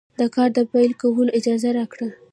د کار د پیل کولو اجازه راکړه.